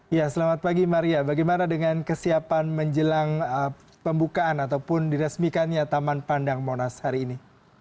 ya selamat pagi maria bagaimana dengan kesiapan menjelang pembukaan ataupun diresmikannya taman pandang monas hari ini